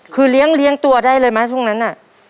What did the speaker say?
คือเลี้ยงตัวได้เลยไหมช่วงนั้นน่ะ